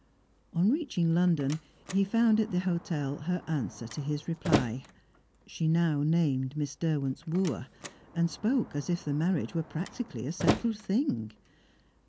On reaching London, he found at the hotel her answer to his reply; she now named Miss Derwent's wooer, and spoke as if the marriage were practically a settled thing.